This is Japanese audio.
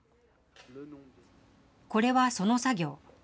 これはその作業。